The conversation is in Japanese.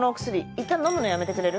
いったん飲むのやめてくれる？